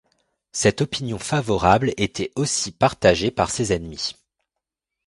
Cette opinion favorable était aussi partagée par ses ennemis.